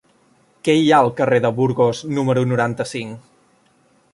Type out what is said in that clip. Què hi ha al carrer de Burgos número noranta-cinc?